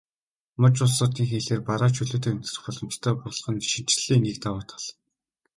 Муж улсуудын хилээр бараа чөлөөтэй нэвтрэх боломжтой болох нь шинэчлэлийн нэг давуу тал.